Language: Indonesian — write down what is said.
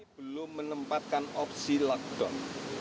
belum menempatkan opsi lockdown